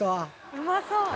うまそう。